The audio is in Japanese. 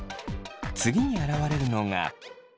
次に現れるのが。